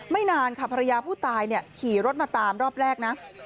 นานค่ะภรรยาผู้ตายขี่รถมาตามรอบแรกนะ